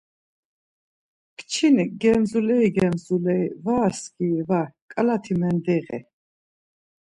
Kçinik gemzuleri gemzuleri Var skiri var, ǩalati mendiği.